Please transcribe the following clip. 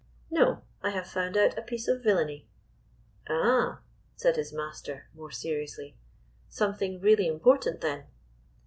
No. I have found out a piece of villainy." "Ah," said his master, more seriously, "some thing really important, then."